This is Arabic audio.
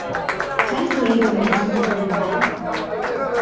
هل تريد المزيد من المال؟